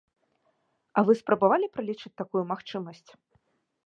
А вы спрабавалі пралічыць такую магчымасць?